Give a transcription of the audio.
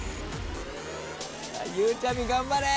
ゆうちゃみ頑張れ！